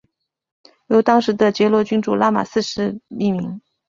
由当时的暹罗君主拉玛四世命名。